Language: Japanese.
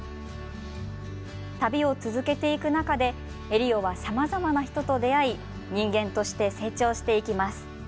旅を続けていく中でエリオは、さまざまな人と出会い人間として成長していきます。